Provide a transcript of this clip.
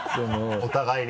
お互いにね。